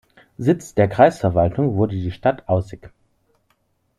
Sitz der Kreisverwaltung wurde die Stadt Außig.